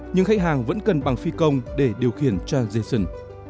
nhưng khách hàng vẫn cần bằng phi công để điều khiển tration